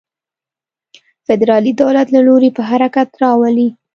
فدرالي دولت له لوري په حرکت راولي.